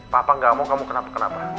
papa gak mau kamu kenapa kenapa